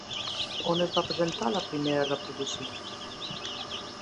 On es va presentar la primera reposició?